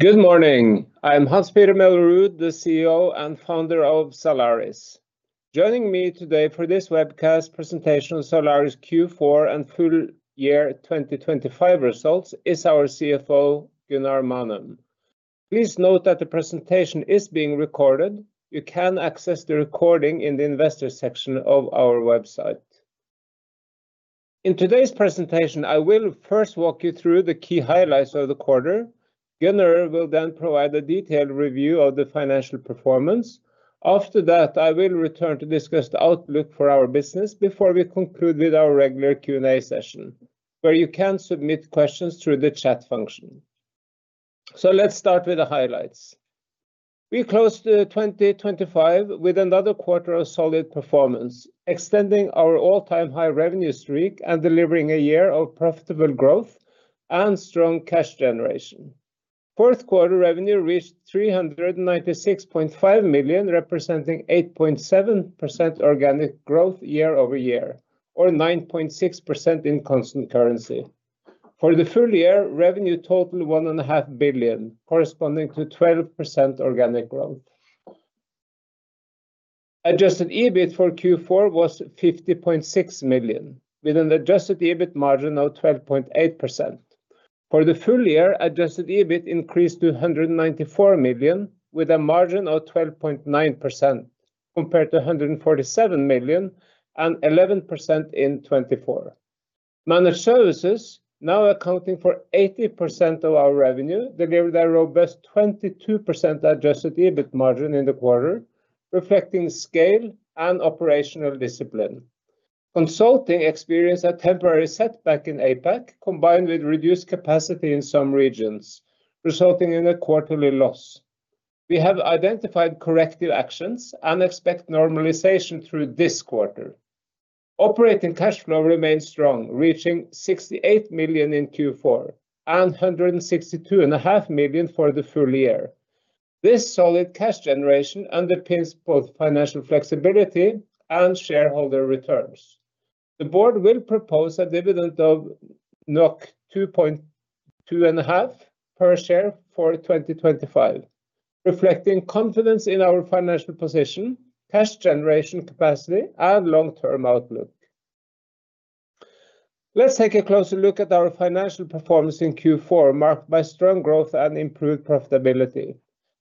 Good morning! I'm Hans-Petter Mellerud, the CEO and Founder of Zalaris. Joining me today for this webcast presentation of Zalaris Q4 and full year 2025 results is our CFO, Gunnar Manum. Please note that the presentation is being recorded. You can access the recording in the investor section of our website. In today's presentation, I will first walk you through the key highlights of the quarter. Gunnar will then provide a detailed review of the financial performance. After that, I will return to discuss the outlook for our business before we conclude with our regular Q&A session, where you can submit questions through the chat function. Let's start with the highlights. We closed 2025 with another quarter of solid performance, extending our all-time high revenue streak and delivering a year of profitable growth and strong cash generation. Fourth quarter revenue reached 396.5 million, representing 8.7% organic growth year-over-year, or 9.6% in constant currency. For the full year, revenue totaled 1.5 billion, corresponding to 12% organic growth. Adjusted EBIT for Q4 was 50.6 million, with an Adjusted EBIT margin of 12.8%. For the full year, Adjusted EBIT increased to 194 million, with a margin of 12.9%, compared to 147 million and 11% in 2024. Managed services, now accounting for 80% of our revenue, delivered a robust 22% Adjusted EBIT margin in the quarter, reflecting scale and operational discipline. Consulting experienced a temporary setback in APAC, combined with reduced capacity in some regions, resulting in a quarterly loss. We have identified corrective actions and expect normalization through this quarter. Operating cash flow remains strong, reaching 68 million in Q4 and 162.5 million for the full year. This solid cash generation underpins both financial flexibility and shareholder returns. The board will propose a dividend of 2.5 per share for 2025, reflecting confidence in our financial position, cash generation capacity, and long-term outlook. Let's take a closer look at our financial performance in Q4, marked by strong growth and improved profitability.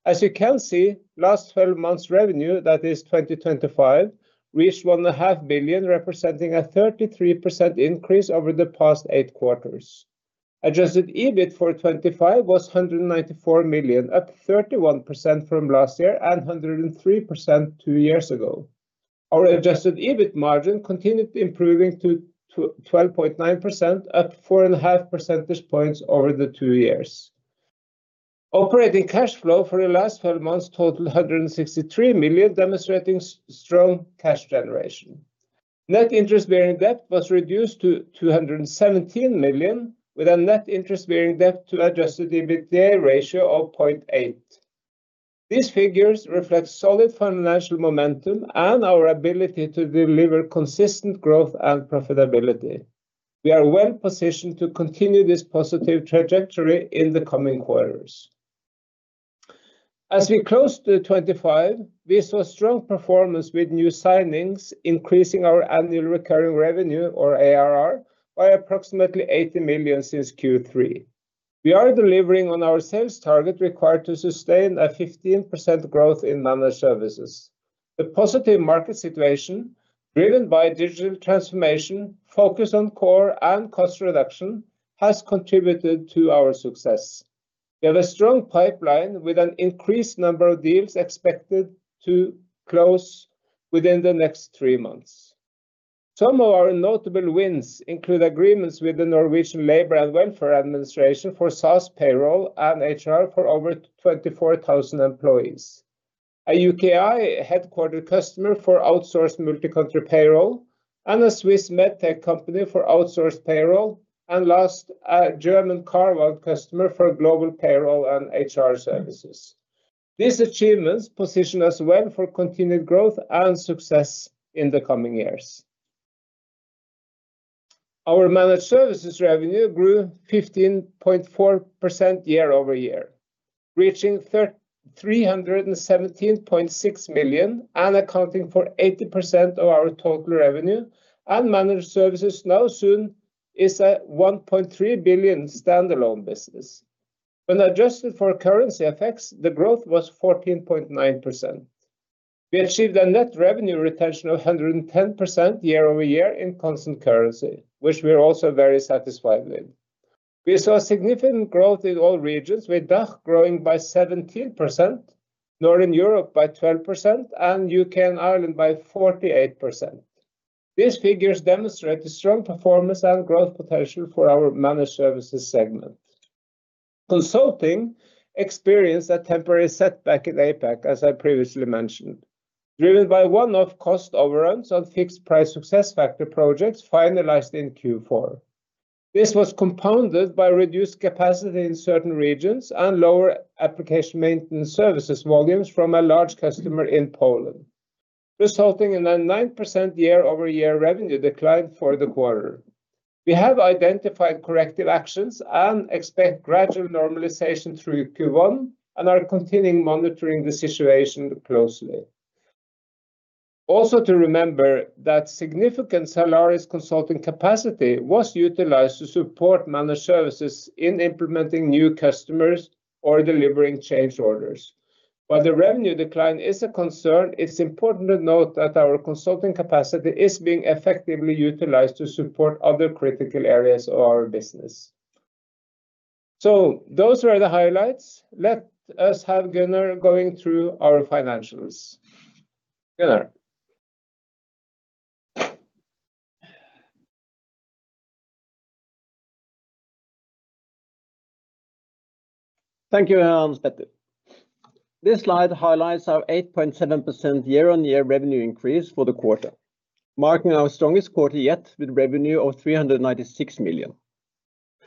As you can see, last 12 months revenue, that is 2025, reached 1.5 billion, representing a 33% increase over the past eight quarters. Adjusted EBIT for 2025 was 194 million, up 31% from last year and 103% two years ago. Our adjusted EBIT margin continued improving to 12.9%, up 4.5 percentage points over the two years. Operating cash flow for the last 12 months totaled 163 million, demonstrating strong cash generation. Net interest bearing debt was reduced to 217 million, with a net interest bearing debt to adjusted EBITDA ratio of 0.8. These figures reflect solid financial momentum and our ability to deliver consistent growth and profitability. We are well positioned to continue this positive trajectory in the coming quarters. As we close to 2025, we saw strong performance with new signings, increasing our annual recurring revenue or ARR by approximately 80 million since Q3. We are delivering on our sales target required to sustain a 15% growth in managed services. The positive market situation, driven by digital transformation, focus on core and cost reduction, has contributed to our success. We have a strong pipeline with an increased number of deals expected to close within the next three months. Some of our notable wins include agreements with the Norwegian Labour and Welfare Administration for SaaS, payroll, and HR for over 24,000 employees. A UKI-headquartered customer for outsourced multi-country payroll, a Swiss Medtech company for outsourced payroll, last, a German car loan customer for global payroll and HR services. These achievements position us well for continued growth and success in the coming years. Our managed services revenue grew 15.4% year-over-year, reaching 317.6 million and accounting for 80% of our total revenue. Managed services now soon is a 1.3 billion standalone business. When adjusted for currency effects, the growth was 14.9%. We achieved a net revenue retention of 110% year-over-year in constant currency, which we are also very satisfied with. We saw significant growth in all regions, with DACH growing by 17%, Northern Europe by 12%, and U.K. and Ireland by 48%. These figures demonstrate the strong performance and growth potential for our managed services segment. Consulting experienced a temporary setback in APAC, as I previously mentioned, driven by one-off cost overruns on fixed-price SuccessFactors projects finalized in Q4. This was compounded by reduced capacity in certain regions and lower application maintenance services volumes from a large customer in Poland resulting in a 9% year-over-year revenue decline for the quarter. We have identified corrective actions and expect gradual normalization through Q1, and are continuing monitoring the situation closely. To remember that significant Zalaris consulting capacity was utilized to support managed services in implementing new customers or delivering change orders. While the revenue decline is a concern, it's important to note that our consulting capacity is being effectively utilized to support other critical areas of our business. Those were the highlights. Let us have Gunnar going through our financials. Gunnar? Thank you, Hans. This slide highlights our 8.7% year-on-year revenue increase for the quarter, marking our strongest quarter yet with revenue of 396 million.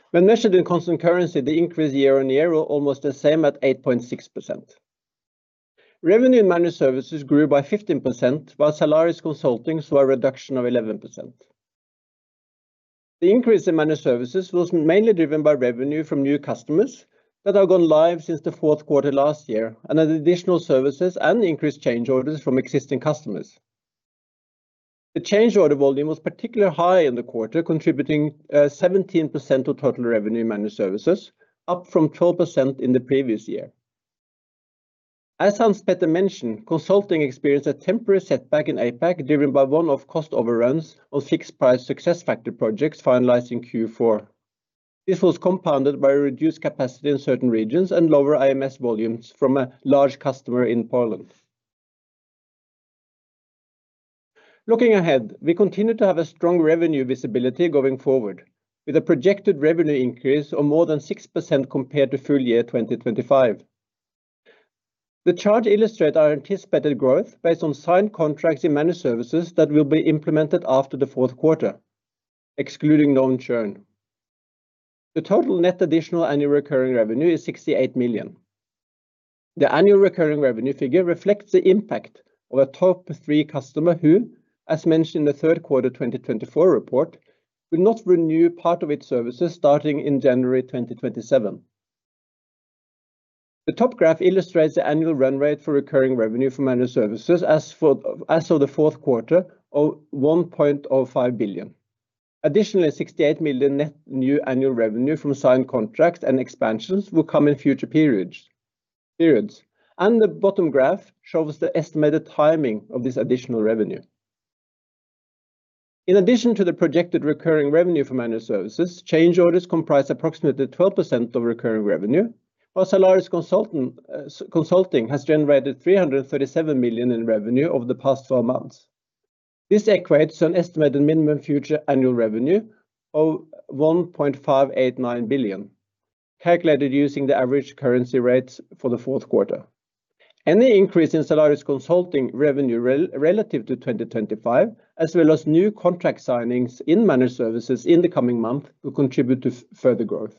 When measured in constant currency, the increase year-on-year were almost the same at 8.6%. Revenue in managed services grew by 15%, while Zalaris consulting saw a reduction of 11%. The increase in managed services was mainly driven by revenue from new customers that have gone live since the Q4 last year, and as additional services and increased change orders from existing customers. The change order volume was particularly high in the quarter, contributing 17% of total revenue managed services, up from 12% in the previous year. As Hans-Petter mentioned, consulting experienced a temporary setback in APAC, driven by one-off cost overruns on fixed-price SuccessFactors projects finalized in Q4. This was compounded by a reduced capacity in certain regions and lower IMS volumes from a large customer in Poland. Looking ahead, we continue to have a strong revenue visibility going forward, with a projected revenue increase of more than 6% compared to full year 2025. The chart illustrate our anticipated growth based on signed contracts in managed services that will be implemented after the fourth quarter, excluding known churn. The total net additional annual recurring revenue is 68 million. The annual recurring revenue figure reflects the impact of a top-three customer who, as mentioned in the third quarter 2024 report, will not renew part of its services starting in January 2027. The top graph illustrates the annual run rate for recurring revenue from managed services as of the fourth quarter of 1.05 billion. Additionally, 68 million net new annual revenue from signed contracts and expansions will come in future periods. The bottom graph shows the estimated timing of this additional revenue. In addition to the projected recurring revenue from managed services, change orders comprise approximately 12% of recurring revenue, while Zalaris Consulting has generated 337 million in revenue over the past four months. This equates to an estimated minimum future annual revenue of 1.589 billion, calculated using the average currency rates for the fourth quarter. Any increase in Zalaris consulting revenue relative to 2025, as well as new contract signings in managed services in the coming month, will contribute to further growth.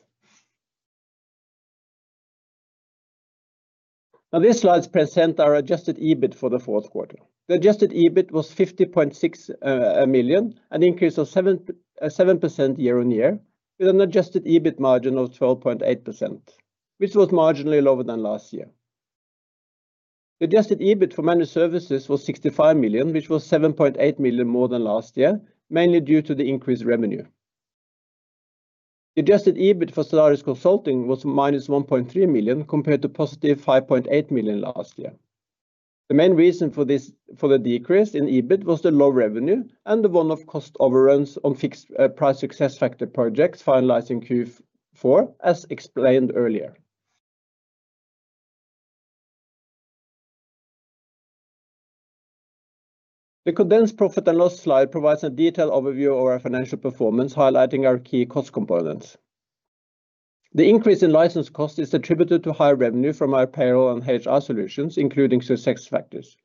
This slide presents our adjusted EBIT for the fourth quarter. The adjusted EBIT was 50.6 million, an increase of 7% year-on-year, with an adjusted EBIT margin of 12.8%, which was marginally lower than last year. The adjusted EBIT for managed services was 65 million, which was 7.8 million more than last year, mainly due to the increased revenue. The adjusted EBIT for Zalaris Consulting was -1.3 million, compared to +5.8 million last year. The main reason for this, for the decrease in EBIT, was the low revenue and the one-off cost overruns on fixed price SuccessFactors projects finalizing Q4, as explained earlier. The condensed profit and loss slide provides a detailed overview of our financial performance, highlighting our key cost components. The increase in license cost is attributed to higher revenue from our payroll and HR solutions, including SuccessFactors.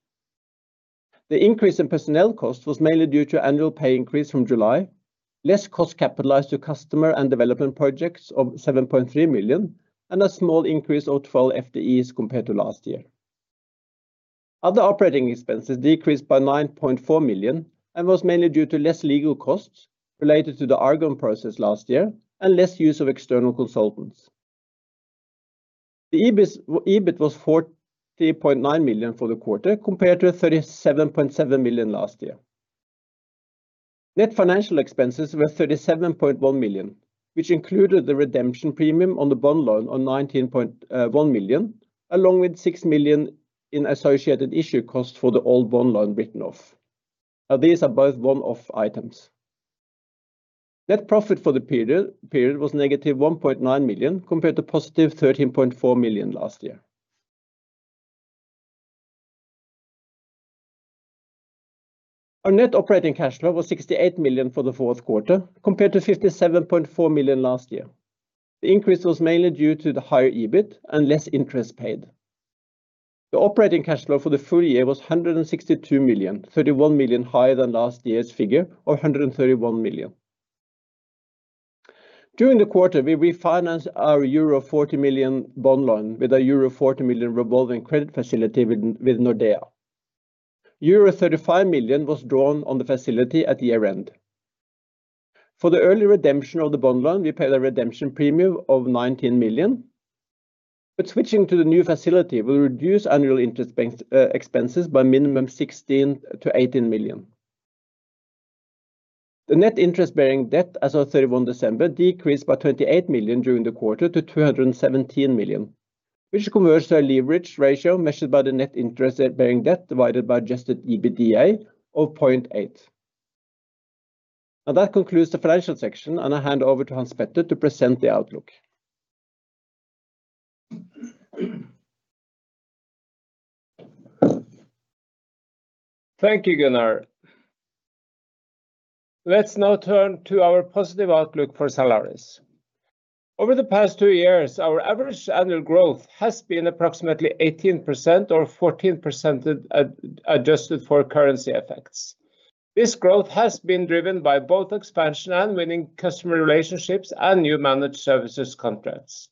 The increase in personnel cost was mainly due to annual pay increase from July, less cost capitalized to customer and development projects of 7.3 million, and a small increase of 12 FTEs compared to last year. Other operating expenses decreased by 9.4 million and was mainly due to less legal costs related to the Argon process last year and less use of external consultants. The EBIT was 40.9 million for the quarter, compared to 37.7 million last year. Net financial expenses were 37.1 million, which included the redemption premium on the bond loan on 19.1 million, along with 6 million in associated issue costs for the old bond loan written off. These are both one-off items. Net profit for the period was -1.9 million, compared to +13.4 million last year. Our net operating cash flow was 68 million for the fourth quarter, compared to 57.4 million last year. The increase was mainly due to the higher EBIT and less interest paid. The operating cash flow for the full year was 162 million, 31 million higher than last year's figure of 131 million. During the quarter, we refinanced our euro 40 million bond loan with a euro 40 million revolving credit facility with Nordea. Euro 35 million was drawn on the facility at year-end. For the early redemption of the bond loan, we paid a redemption premium of 19 million. Switching to the new facility will reduce annual interest bank expenses by minimum 16 million-18 million. The net interest-bearing debt as of 31 December decreased by 28 million during the quarter to 217 million, which converts our leverage ratio, measured by the net interest-bearing debt, divided by adjusted EBITDA of 0.8. That concludes the financial section, and I hand over to Hans-Petter to present the outlook. Thank you, Gunnar. Let's now turn to our positive outlook for Zalaris. Over the past two years, our average annual growth has been approximately 18%, or 14% adjusted for currency effects. This growth has been driven by both expansion and winning customer relationships and new managed services contracts.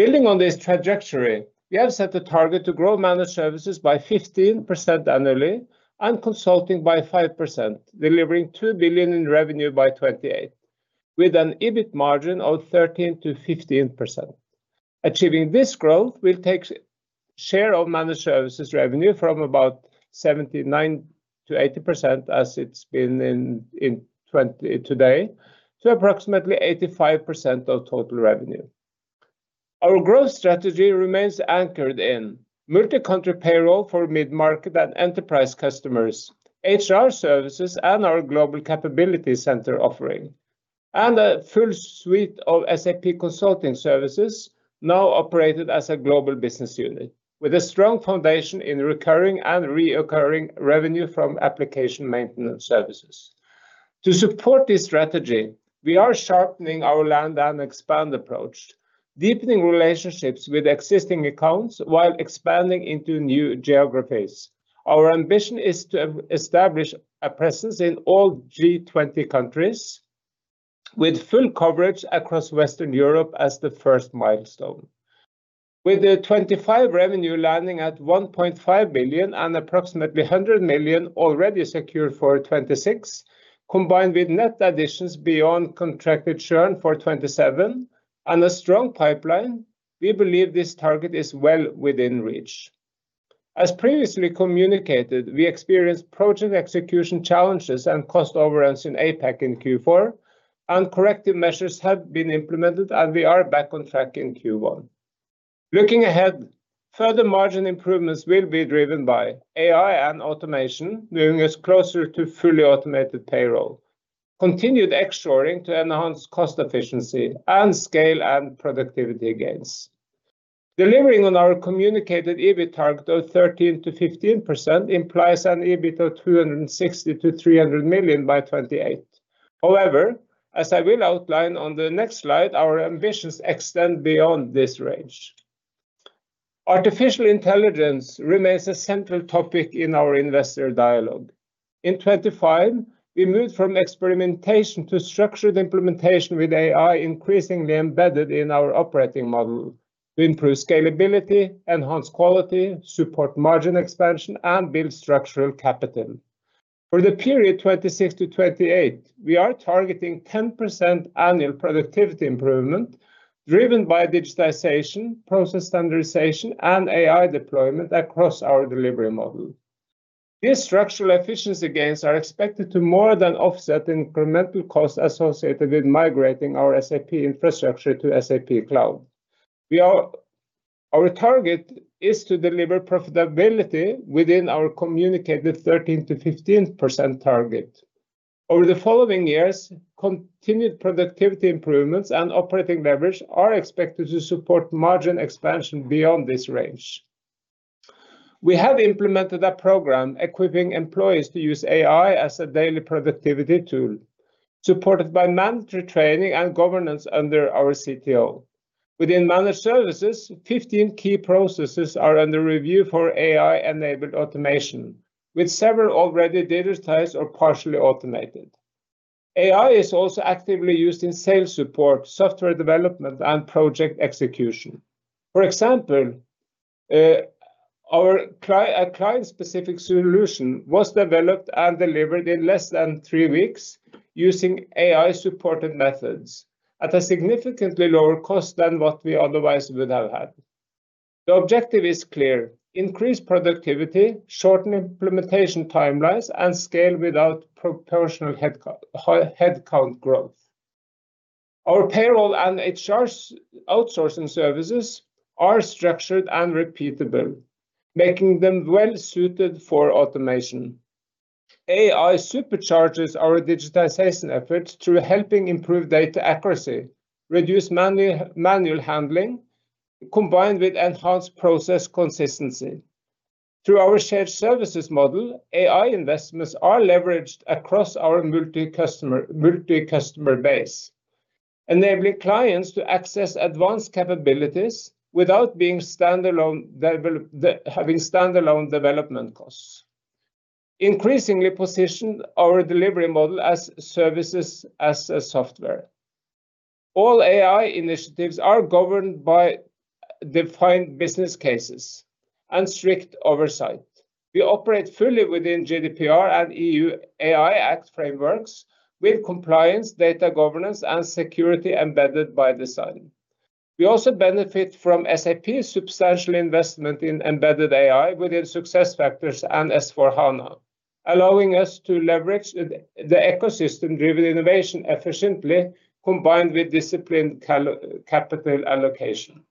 Building on this trajectory, we have set a target to grow managed services by 15% annually and consulting by 5%, delivering 2 billion in revenue by 2028, with an EBIT margin of 13%-15%. Achieving this growth will take share of managed services revenue from about 79%-80%, as it's been today, to approximately 85% of total revenue. Our growth strategy remains anchored in multi-country payroll for mid-market and enterprise customers, HR services, and our global capability center offering, and a full suite of SAP consulting services, now operated as a global business unit with a strong foundation in recurring and reoccurring revenue from application maintenance services. To support this strategy, we are sharpening our land and expand approach, deepening relationships with existing accounts while expanding into new geographies. Our ambition is to have established a presence in all G20 countries, with full coverage across Western Europe as the first milestone. With the 2025 revenue landing at 1.5 billion and approximately 100 million already secured for 2026, combined with net additions beyond contracted churn for 2027 and a strong pipeline, we believe this target is well within reach. As previously communicated, we experienced project execution challenges and cost overruns in APAC in Q4, and corrective measures have been implemented, and we are back on track in Q1. Looking ahead, further margin improvements will be driven by AI and automation, moving us closer to fully automated payroll, continued offshoring to enhance cost efficiency and scale and productivity gains. Delivering on our communicated EBIT target of 13%-15% implies an EBIT of 260 million-300 million by 2028. However, as I will outline on the next slide, our ambitions extend beyond this range. Artificial intelligence remains a central topic in our investor dialogue. In 2025, we moved from experimentation to structured implementation, with AI increasingly embedded in our operating model to improve scalability, enhance quality, support margin expansion, and build structural capital. For the period 2026-2028, we are targeting 10% annual productivity improvement, driven by digitization, process standardization, and AI deployment across our delivery model. These structural efficiency gains are expected to more than offset the incremental costs associated with migrating our SAP infrastructure to SAP Cloud. Our target is to deliver profitability within our communicated 13%-15% target. Over the following years, continued productivity improvements and operating leverage are expected to support margin expansion beyond this range. We have implemented a program equipping employees to use AI as a daily productivity tool, supported by mandatory training and governance under our CTO. Within managed services, 15 key processes are under review for AI-enabled automation, with several already digitized or partially automated. AI is also actively used in sales support, software development, and project execution. For example, a client-specific solution was developed and delivered in less than three weeks using AI-supported methods at a significantly lower cost than what we otherwise would have had. The objective is clear: increase productivity, shorten implementation timelines, and scale without proportional head count growth. Our payroll and HR outsourcing services are structured and repeatable, making them well-suited for automation. AI supercharges our digitization efforts through helping improve data accuracy, reduce manual handling, combined with enhanced process consistency. Through our shared services model, AI investments are leveraged across our multi-customer base, enabling clients to access advanced capabilities without having standalone development costs. Increasingly positioned our delivery model as services as a software. All AI initiatives are governed by defined business cases and strict oversight. We operate fully within GDPR and EU AI Act frameworks with compliance, data governance, and security embedded by design. We also benefit from SAP's substantial investment in embedded AI within SuccessFactors and S/4HANA, allowing us to leverage the ecosystem-driven innovation efficiently, combined with disciplined capital allocation.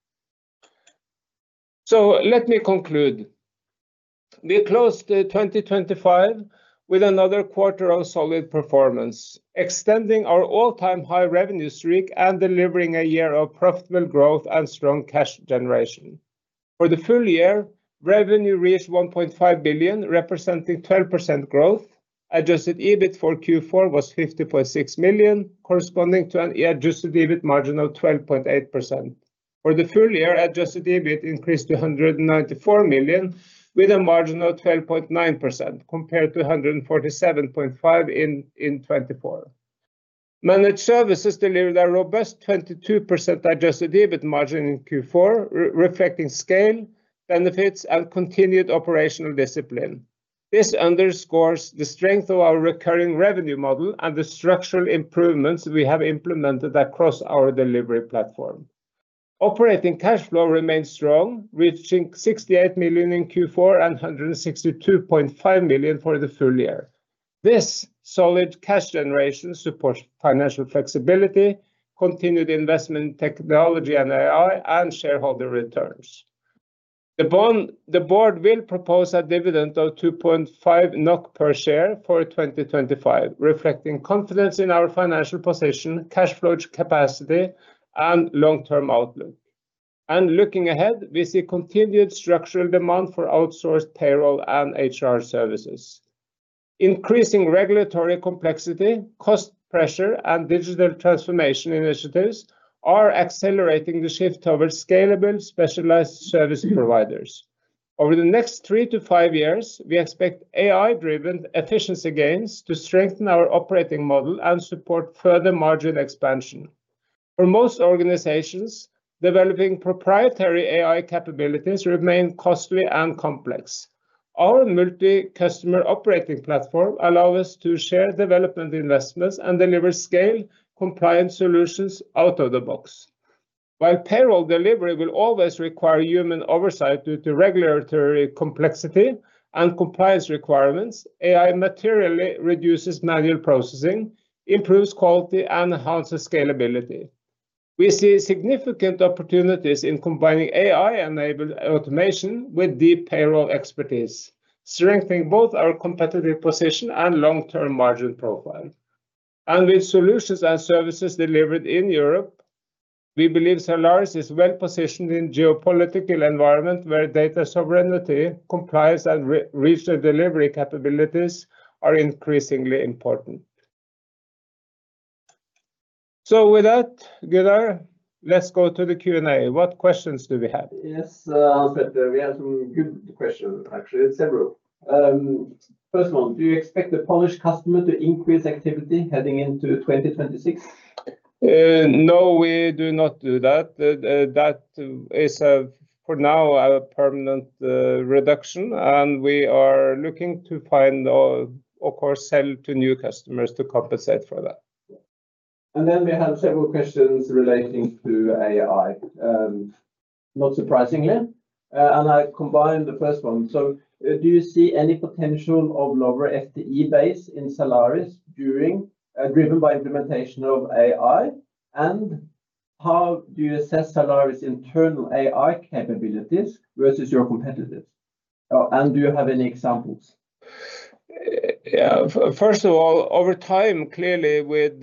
Let me conclude. We closed 2025 with another quarter of solid performance, extending our all-time high revenue streak and delivering a year of profitable growth and strong cash generation. For the full year, revenue reached 1.5 billion, representing 12% growth. Adjusted EBIT for Q4 was 50.6 million, corresponding to an adjusted EBIT margin of 12.8%. For the full year, adjusted EBIT increased to 194 million, with a margin of 12.9%, compared to 147.5 million in 2024. Managed services delivered a robust 22% adjusted EBIT margin in Q4, re-reflecting scale, benefits, and continued operational discipline. This underscores the strength of our recurring revenue model and the structural improvements we have implemented across our delivery platform. Operating cash flow remains strong, reaching 68 million in Q4 and 162.5 million for the full year. This solid cash generation supports financial flexibility, continued investment in technology and AI, and shareholder returns. The board will propose a dividend of 2.5 NOK per share for 2025, reflecting confidence in our financial position, cash flow capacity, and long-term outlook. Looking ahead, we see continued structural demand for outsourced payroll and HR services. Increasing regulatory complexity, cost pressure, and digital transformation initiatives are accelerating the shift towards scalable, specialized service providers. Over the next three to five years, we expect AI-driven efficiency gains to strengthen our operating model and support further margin expansion. For most organizations, developing proprietary AI capabilities remain costly and complex. Our multi-customer operating platform allow us to share development investments and deliver scale compliant solutions out of the box. While payroll delivery will always require human oversight due to regulatory complexity and compliance requirements, AI materially reduces manual processing, improves quality, and enhances scalability. We see significant opportunities in combining AI-enabled automation with deep payroll expertise, strengthening both our competitive position and long-term margin profile. With solutions and services delivered in Europe, we believe Zalaris is well-positioned in geopolitical environment where data sovereignty, compliance, and regional delivery capabilities are increasingly important. With that, Gunnar, let's go to the Q&A. What questions do we have? Yes, we have some good questions, actually, several. First one: do you expect the Polish customer to increase activity heading into 2026? No, we do not do that. That is a, for now, a permanent reduction, and we are looking to find or, of course, sell to new customers to compensate for that. We have several questions relating to AI, not surprisingly, and I combined the first one. Do you see any potential of lower FTE base in Zalaris during driven by implementation of AI? How do you assess Zalaris' internal AI capabilities versus your competitors? Do you have any examples? Yeah. First of all, over time, clearly, with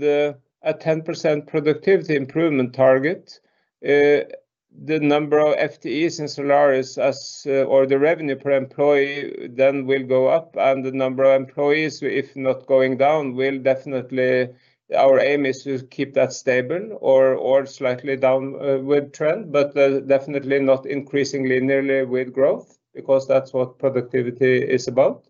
a 10% productivity improvement target, the number of FTEs in Zalaris as, or the revenue per employee, will go up, and the number of employees, if not going down, will definitely. Our aim is to keep that stable or slightly down with trend, but, definitely not increasing linearly with growth, because that's what productivity is about.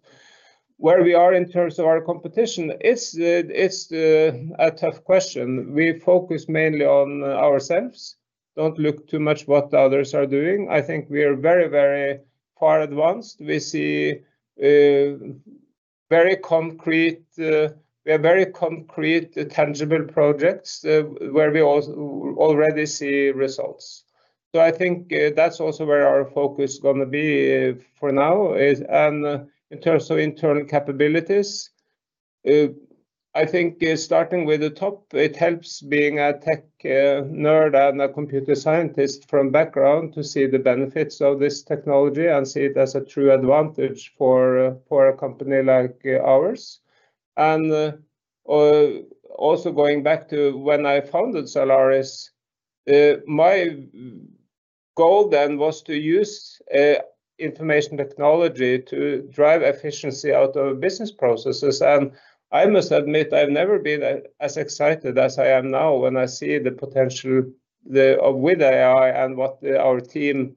Where we are in terms of our competition, it's a tough question. We focus mainly on ourselves, don't look too much what others are doing. I think we are very, very far advanced. We see very concrete, tangible projects, where we already see results. I think that's also where our focus is gonna be for now, and in terms of internal capabilities, I think starting with the top, it helps being a tech nerd and a computer scientist from background to see the benefits of this technology and see it as a true advantage for a company like ours. Also going back to when I founded Zalaris, my goal then was to use information technology to drive efficiency out of business processes, and I must admit, I've never been as excited as I am now when I see the potential with AI and what our team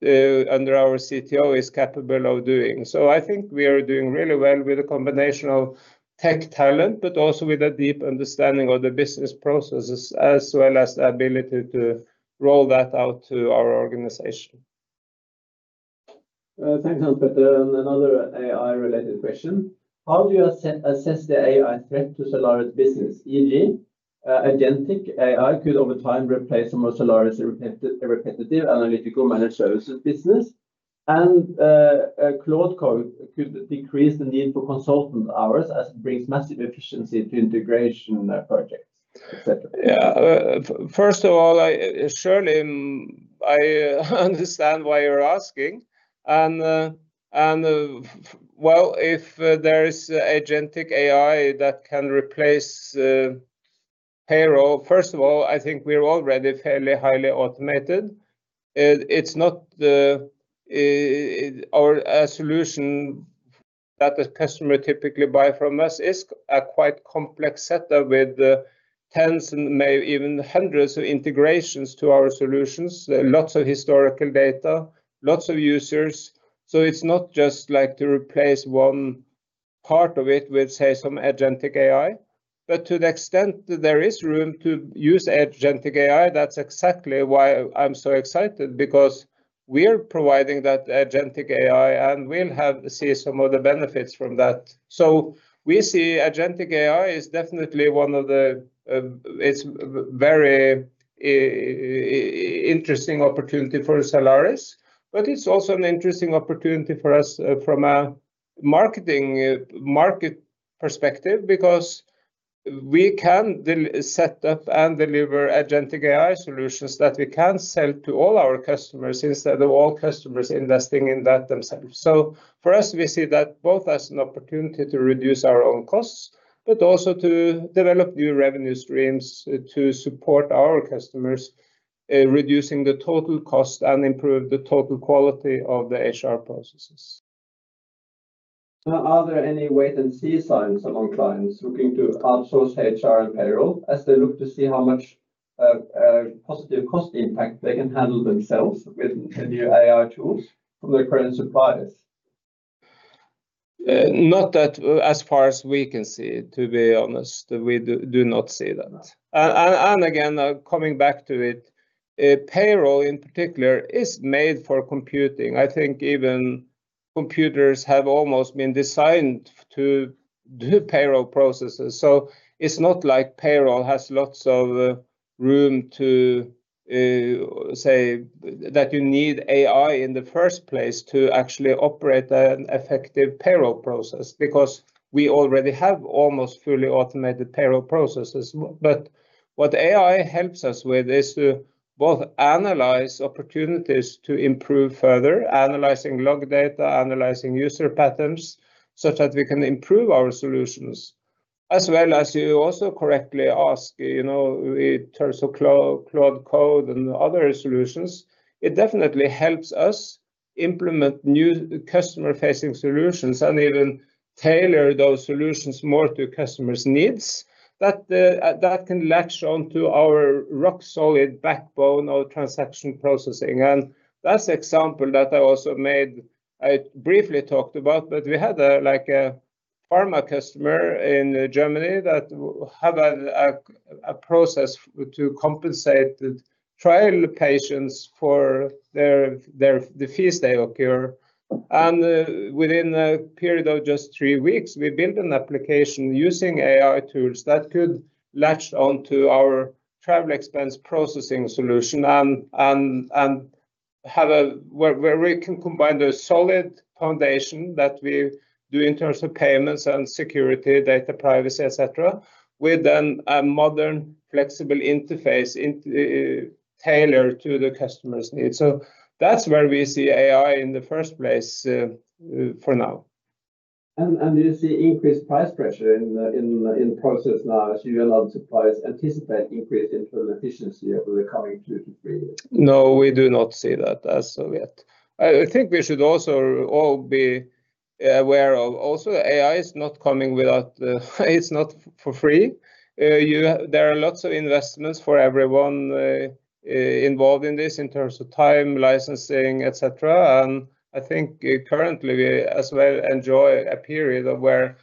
under our CTO is capable of doing. I think we are doing really well with a combination of tech talent, but also with a deep understanding of the business processes, as well as the ability to roll that out to our organization. Thanks, Hans-Petter. Another AI-related question: How do you assess the AI threat to Zalaris business? e.g., agentic AI could, over time, replace some of Zalaris' repetitive analytical managed services business, and Claude Code could decrease the need for consultant hours as it brings massive efficiency to integration projects, et cetera. Yeah. First of all, I surely understand why you're asking, well, if there is agentic AI that can replace payroll, first of all, I think we're already fairly highly automated. It's not our solution that the customer typically buy from us is a quite complex setup with tens and maybe even hundreds of integrations to our solutions. There are lots of historical data, lots of users, so it's not just like to replace one part of it with, say, some agentic AI. To the extent that there is room to use agentic AI, that's exactly why I'm so excited because we're providing that agentic AI, and we'll have to see some of the benefits from that. We see agentic AI as definitely one of the. It's very interesting opportunity for Zalaris, but it's also an interesting opportunity for us, from a marketing, market perspective because we can set up and deliver agentic AI solutions that we can sell to all our customers, instead of all customers investing in that themselves. For us, we see that both as an opportunity to reduce our own costs, but also to develop new revenue streams to support our customers in reducing the total cost and improve the total quality of the HR processes. Are there any wait-and-see signs among clients looking to outsource HR and payroll as they look to see how much positive cost impact they can handle themselves with the new AI tools from their current suppliers? Not that as far as we can see, to be honest, we do not see that. Again, coming back to it, payroll in particular is made for computing. I think even computers have almost been designed to do payroll processes. It's not like payroll has lots of room to say that you need AI in the first place to actually operate an effective payroll process, because we already have almost fully automated payroll processes. What AI helps us with is to both analyze opportunities to improve further, analyzing log data, analyzing user patterns, such that we can improve our solutions as well as you also correctly ask, you know, in terms of Claude Code and other solutions, it definitely helps us implement new customer-facing solutions and even tailor those solutions more to customers' needs, that can latch on to our rock-solid backbone of transaction processing. That's the example that I also made, I briefly talked about, but we had a like a pharma customer in Germany that have a process to compensate the trial patients for their fees they occur. Within a period of just three weeks, we built an application using AI tools that could latch on to our travel expense processing solution and where we can combine the solid foundation that we do in terms of payments and security, data privacy, et cetera, with then a modern, flexible interface in tailored to the customer's needs. That's where we see AI in the first place for now. Do you see increased price pressure in process now as you allow the suppliers anticipate increased internal efficiency over the coming two to three years? No, we do not see that as of yet. I think we should also all be aware of also AI is not coming without it's not for free. You, there are lots of investments for everyone involved in this in terms of time, licensing, et cetera. I think currently, we as well enjoy a period of where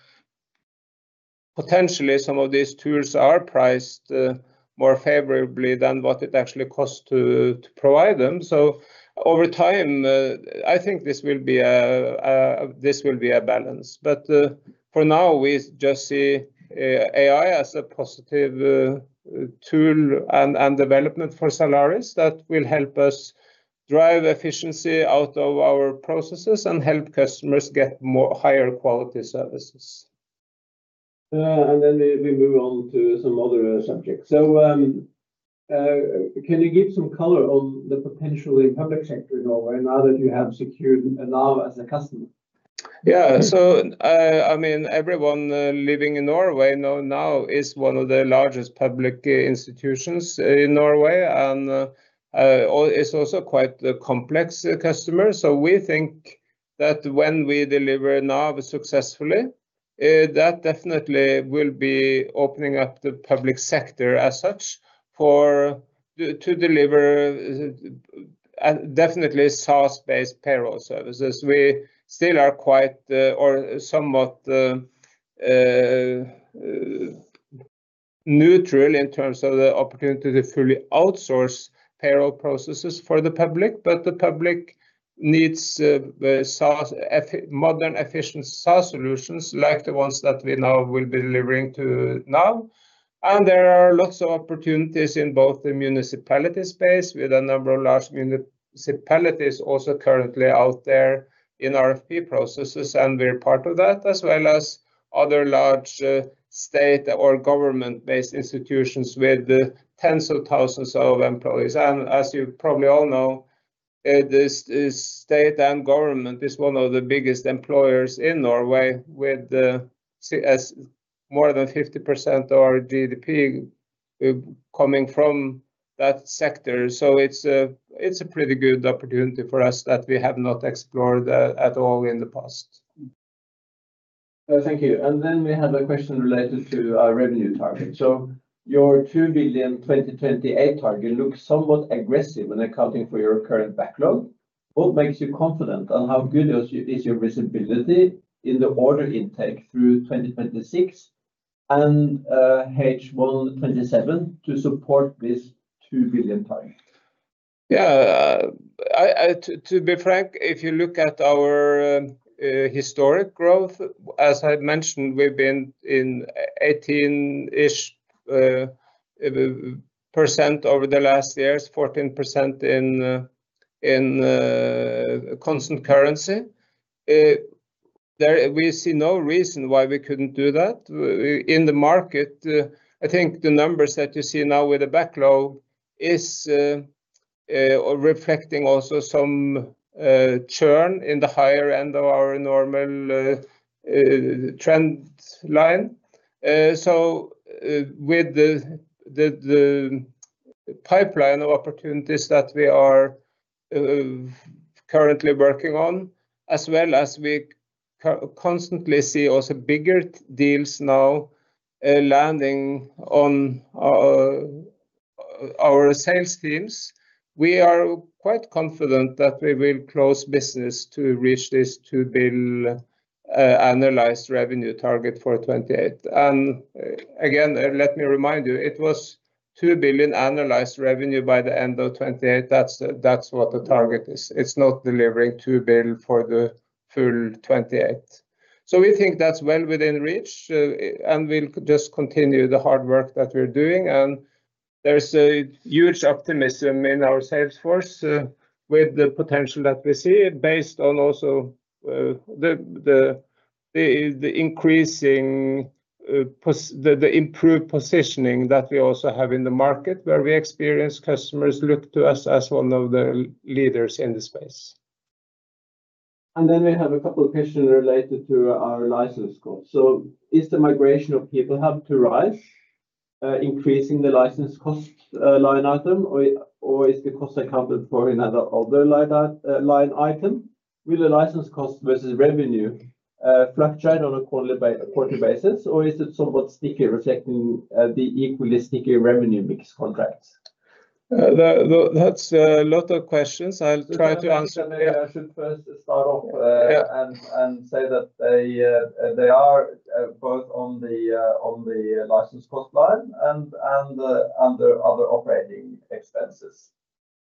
potentially some of these tools are priced more favorably than what it actually costs to provide them. Over time, I think this will be a this will be a balance. For now, we just see AI as a positive tool and development for Zalaris that will help us drive efficiency out of our processes and help customers get more higher quality services. We move on to some other subjects. Can you give some color on the potential in public sector in Norway now that you have secured NAV as a customer? Yeah. I mean, everyone living in Norway know NAV is one of the largest public institutions in Norway, and it's also quite a complex customer. We think that when we deliver NAV successfully, that definitely will be opening up the public sector as such for to deliver definitely SaaS-based payroll services. We still are quite or somewhat neutral in terms of the opportunity to fully outsource payroll processes for the public, but the public needs SaaS, modern, efficient SaaS solutions like the ones that we now will be delivering to now. There are lots of opportunities in both the municipality space, with a number of large municipalities also currently out there in RFP processes, and we're part of that, as well as other large, state or government-based institutions with tens of thousands of employees. As you probably all know, this, state and government is one of the biggest employers in Norway, with, as more than 50% of our GDP coming from that sector. It's a, it's a pretty good opportunity for us that we have not explored, at all in the past. Thank you. We have a question related to our revenue target. Your 2 billion 2028 target looks somewhat aggressive when accounting for your current backlog. What makes you confident, and how good is your visibility in the order intake through 2026 and H1 2027 to support this 2 billion target? I... To, to be frank, if you look at our historic growth, as I mentioned, we've been in 18-ish % over the last years, 14% in constant currency. There, we see no reason why we couldn't do that. In the market, I think the numbers that you see now with the backlog is reflecting also some churn in the higher end of our normal trend line. With the, the pipeline of opportunities that we are currently working on, as well as we constantly see also bigger deals now landing on our sales teams, we are quite confident that we will close business to reach this NOK 2 billion analyzed revenue target for 2028. Again, let me remind you, it was 2 billion analyzed revenue by the end of 2028. That's what the target is. It's not delivering 2 billion for the full 2028. We think that's well within reach, and we'll just continue the hard work that we're doing. There's a huge optimism in our sales force, with the potential that we see, based on also the increasing, the improved positioning that we also have in the market, where we experience customers look to us as one of the leaders in the space. We have a couple of questions related to our license cost. Is the migration of people have to RISE, increasing the license cost, line item, or is the cost accounted for in other line item? Will the license cost versus revenue fluctuate on a quarterly basis, or is it somewhat sticky, reflecting the equally sticky revenue mix contracts? That's a lot of questions I'll try to answer. I should first start off. Yeah... and say that they are both on the license cost line and under other operating expenses.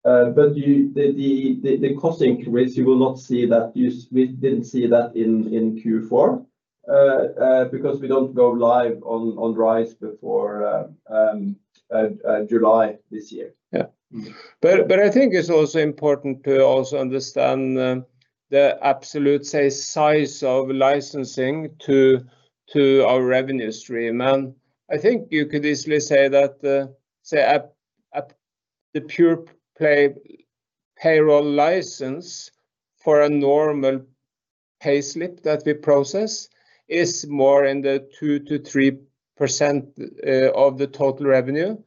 The cost increase, you will not see that, we didn't see that in Q4, because we don't go live on RISE before July this year. I think it's also important to also understand the absolute, say, size of licensing to our revenue stream. I think you could easily say that at the pure payroll license for a normal payslip that we process, is more in the 2%-3% of the total revenue,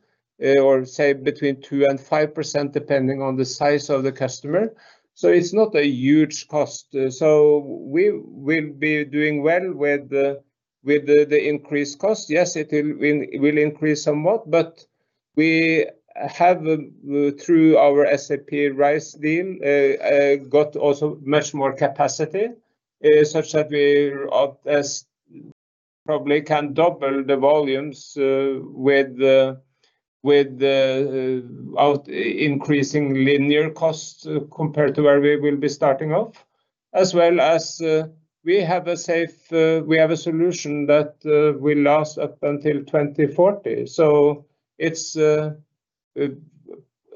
or say between 2% and 5%, depending on the size of the customer. It's not a huge cost. We will be doing well with the increased cost. It will increase somewhat, but we have, through our SAP RISE team, got also much more capacity, such that we probably can double the volumes with the out increasing linear costs compared to where we will be starting off, as well as, we have a safe, we have a solution that will last up until 2040. It's.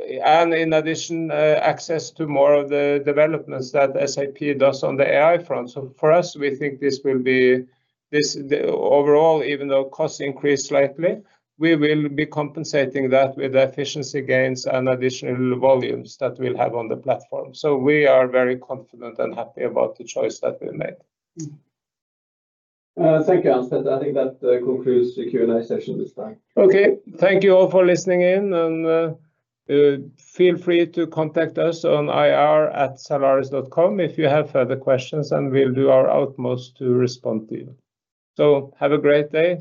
In addition, access to more of the developments that SAP does on the AI front. For us, we think this will be the overall, even though costs increase slightly, we will be compensating that with efficiency gains and additional volumes that we'll have on the platform. We are very confident and happy about the choice that we made. Thank you, Hans. I think that concludes the Q&A session this time. Okay. Thank you all for listening in. Feel free to contact us on ir@zalaris.com if you have further questions. We'll do our utmost to respond to you. Have a great day.